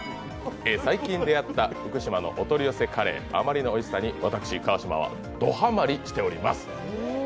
最近出会った福島のお取り寄せカレー、あまりのおいしさに私・川島はどハマりしています。